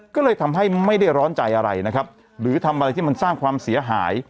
ก็เลยทำให้ไม่ได้ร้อนใจอะไรนะครับหรือทำอะไรที่มันสร้างความเสียหาย